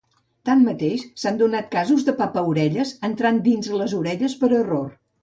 Tanmateix, s'han donat casos de papaorelles entrant dins les orelles per error.